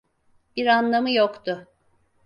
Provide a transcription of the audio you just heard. Bir anlamı yoktu.